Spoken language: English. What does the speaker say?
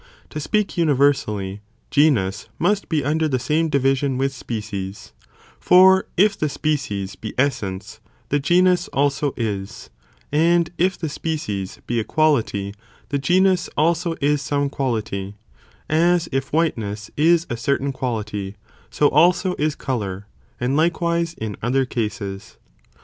To speak universally, genus must be under the same division with species, for if the species be essence, the genus also is, and if the species be a quality, the genus also is some quality, as if whiteness is a certain quality, so also is colour, and likewise in other cases.